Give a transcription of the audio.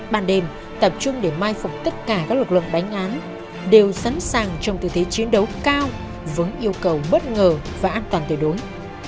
ban đêm tập trung để mai phục tất cả các lực lượng đánh án đều sẵn sàng trong tư thế chiến đấu cao vững yêu cầu bất ngờ và an toàn tuyệt đối